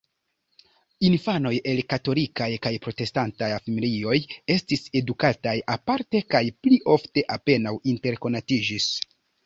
Infanoj el katolikaj kaj protestantaj familioj estis edukataj aparte, kaj pli ofte apenaŭ interkonatiĝis.